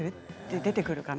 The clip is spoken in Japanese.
出てくるかな